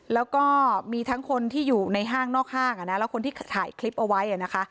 แล้วก็มีทั้งคนที่อยู่ในห้างนอกห้างแล้วคนที่ถ่ายคลิปเอาไว้นะคะ